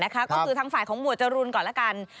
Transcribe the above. ก็คือทางฝ่ายของหมวดจรูนก่อนละกัน